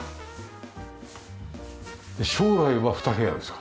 将来は２部屋ですか？